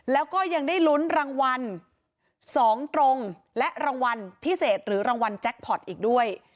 แล้วก็ยังได้ลุ้นรางวัล๒ตรงและรางวัลพิเศษหรือรางวัลแจ็คพอร์ตอีกด้วย